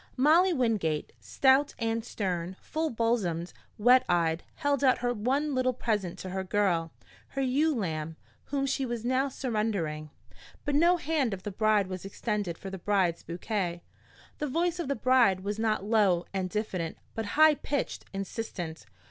Molly Wingate, stout and stern, full bosomed, wet eyed, held out her one little present to her girl, her ewe lamb, whom she was now surrendering. But no hand of the bride was extended for the bride's bouquet. The voice of the bride was not low and diffident, but high pitched, insistent.